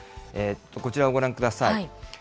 こちらをご覧ください。